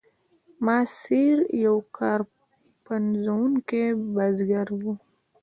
ماسیر یو کار پنځوونکی بزګر و.